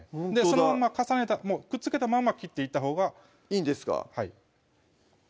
そのまんまくっつけたまんま切っていったほうがいいんですか？